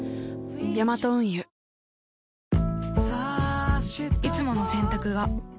ヤマト運輸いつもの洗濯が